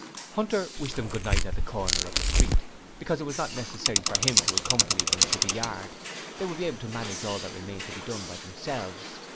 Hunter wished them 'Good night' at the corner of the street, because it was not necessary for him to accompany them to the yard they would be able to manage all that remained to be done by themselves.